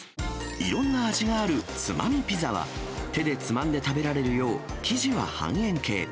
いろんな味があるツマミピザは、手でつまんで食べられるよう、生地は半円形。